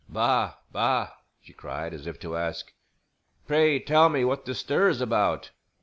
"Baa, baa," she cried, as if to ask, "Pray tell me what the stir's about.